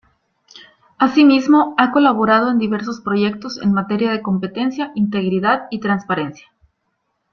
Asimismo, ha colaborado en diversos proyectos en materia de competencia, integridad y transparencia.